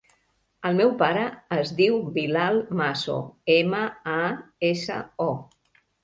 El meu pare es diu Bilal Maso: ema, a, essa, o.